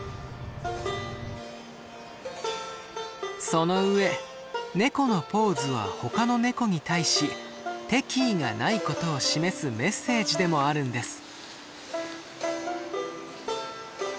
その上ネコのポーズはほかのネコに対し敵意がないことを示すメッセージでもあるんです。